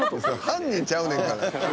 犯人ちゃうねんから。